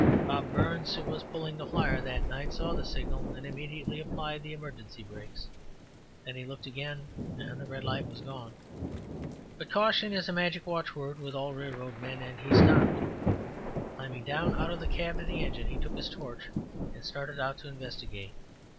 Bob Burns, who was pulling the flyer that night, saw the signal, and immediately applied the emergency brakes. Then he looked again and the red light was gone. But caution is a magic watchword with all railroad men, and he stopped. Climbing down out of the cab of the engine, he took his torch, and started out to investigate.